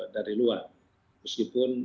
dari luar meskipun